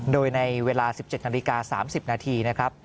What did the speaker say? โดยในเวลา๑๗นาฬิกา๓๐นาทีนะครับ